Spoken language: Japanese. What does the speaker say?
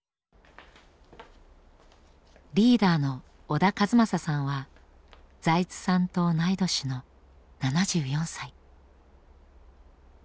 リーダーの小田和正さんは財津さんと同い年の７４歳。